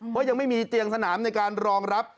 เพราะยังไม่มีเตียงสนามในการรองรับ